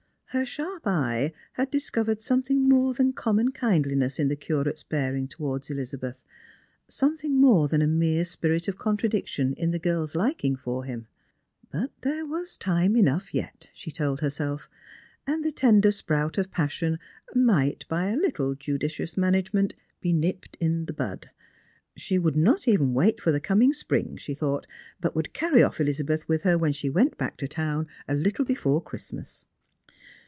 Her sharp eye had discovered some thing more than common kindliness in the Curate's bearing towards Elizabeth — something more than a mere spirit of contradiction in the girl's liking for him. But there was time enough yet, she told herself; and the tender sprout of passion might, by a little judicious management, be nipped in the bud. She would not even wait for the coming spring, she thought; but would carry off Elizabeth with her when she went back to town a little before Christmas.